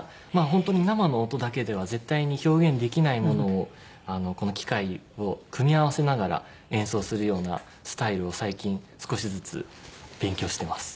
本当に生の音だけでは絶対に表現できないものをこの機械を組み合わせながら演奏するようなスタイルを最近少しずつ勉強してます。